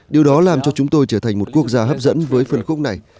điều đó làm cho chúng tôi trở thành một quốc gia hấp dẫn với phân khúc này